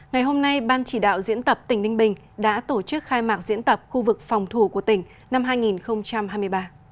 ngày hôm nay ban chỉ đạo diễn tập tỉnh ninh bình đã tổ chức khai mạc diễn tập khu vực phòng thủ của tỉnh năm hai nghìn hai mươi ba